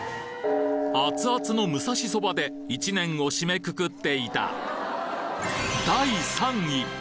アツアツの武蔵そばで１年を締めくくっていた！